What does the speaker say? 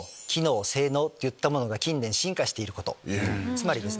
つまりですね